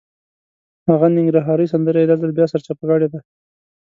هغه ننګرهارۍ سندره یې دا ځل بیا سرچپه کړې ده.